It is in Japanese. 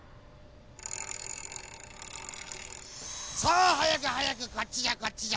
さあはやくはやくこっちじゃこっちじゃ！